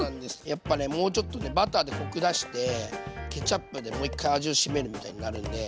やっぱねもうちょっとバターでコク出してケチャップでもう一回味をしめるみたいになるんで。